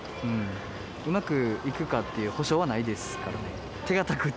うまくいくかっていう保証はないですからね。